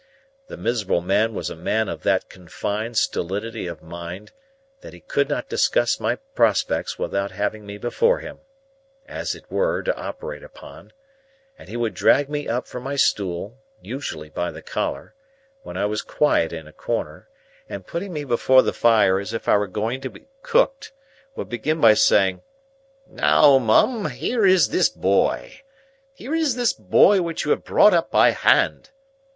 The miserable man was a man of that confined stolidity of mind, that he could not discuss my prospects without having me before him,—as it were, to operate upon,—and he would drag me up from my stool (usually by the collar) where I was quiet in a corner, and, putting me before the fire as if I were going to be cooked, would begin by saying, "Now, Mum, here is this boy! Here is this boy which you brought up by hand.